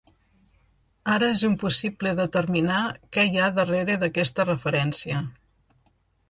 Ara és impossible determinar què hi ha darrere d'aquesta referència.